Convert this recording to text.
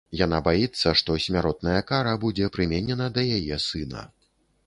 Яна баіцца, што смяротная кара будзе прыменена да яе сына.